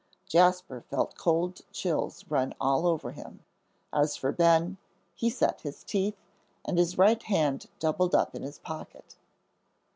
Jasper felt cold chills run all over him. As for Ben, he set his teeth, and his right hand doubled up in his pocket.